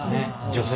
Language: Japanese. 女性。